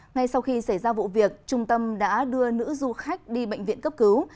ngay sau khi xảy ra vụ việc trung tâm đã đưa nữ du khách đi bệnh viện cấp cứu